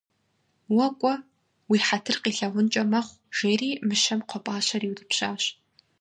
- Уэ кӏуэ, уи хьэтыр къилъагъункӏэ мэхъу,- жери мыщэм кхъуэпӏащэр иутӏыпщащ.